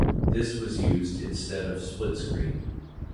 This was used instead of split screen.